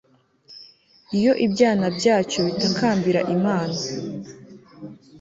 iyo ibyana byacyo bitakambira imana